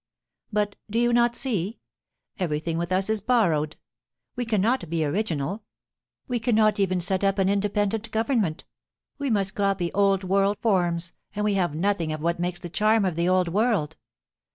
* But, do you not see ?— everything with us is borrowed. We cannot be original — we cannot even set up an inde pendent government. We must copy old world forms, and we have nothing of what makes the charm of the old world.